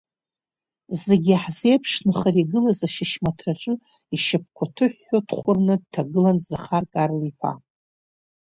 Зегьы иаҳзеиԥшны хара игылаз ашьышьмаҭраҿы ишьапқәа ҭыҳәҳәо дхәырны дҭагылан Захар Карл-иԥа.